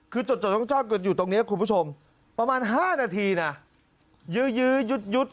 คือจดจ้องเกิดอยู่ตรงนี้คุณผู้ชมประมาณ๕นาทีนะยื้อยื้อยุด